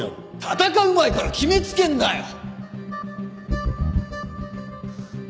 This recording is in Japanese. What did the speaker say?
戦う前から決めつけんなよ！